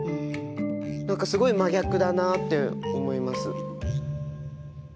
何かすごい真逆だなって思います。